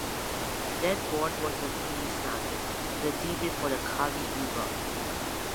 Then was born the Neesan, the demon for the Kali Yuga.